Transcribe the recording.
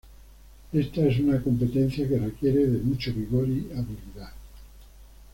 Esta es una competencia que requiere de mucho vigor y habilidad.